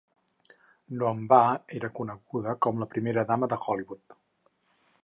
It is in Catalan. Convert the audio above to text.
No en va era coneguda com la primera dama de Hollywood.